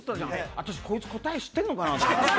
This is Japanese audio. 私こいつ答え知ってんのかなと思った。